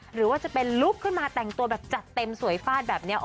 หรือว่าจะเป็นลุคขึ้นมาแต่งตัวแบบจัดเต็มสวยฟาดแบบนี้